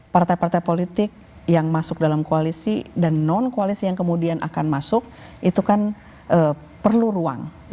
partai partai politik yang masuk dalam koalisi dan non koalisi yang kemudian akan masuk itu kan perlu ruang